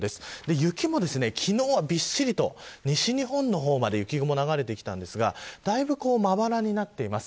雪も、昨日はびっしりと西日本の方まで雪雲が流れてきたんですがだいぶ、まばらになっています。